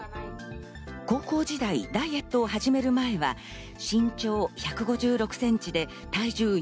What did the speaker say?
高校時代、ダイエットを始める前は身長１５６センチで体重４５キ